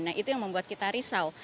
nah itu yang membuat kita risau